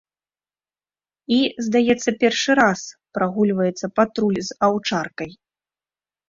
І, здаецца першы раз, прагульваецца патруль з аўчаркай.